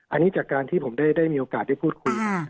อันนี้จากการที่ผมได้มีโอกาสได้พูดคุย